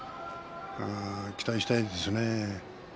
期待したいですね。